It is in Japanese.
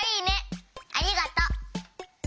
ありがとう！